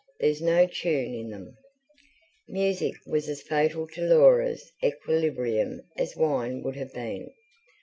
There's no tune in them." Music was as fatal to Laura's equilibrium as wine would have been.